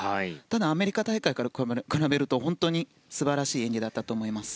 ただ、アメリカ大会から比べると本当素晴らしい演技だったと思います。